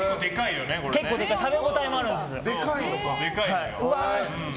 結構でかくて食べ応えもあるんです。